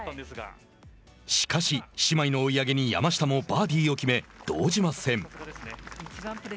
しかし、姉妹の追い上げに山下もバーディーを決め動じません。